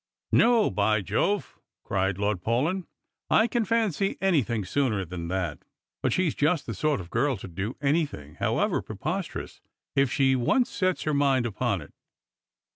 " No, by Jove! " cried Lord Paulyn, " I can fancy anything sooner than that. But she's just the sort of girl to do anything, however preposterous, if she once sets her mind upon it."